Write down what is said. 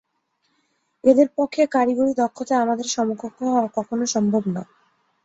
এদের পক্ষে কারিগরি দক্ষতায় আমাদের সমকক্ষ হওয়া কখনো সম্ভব না।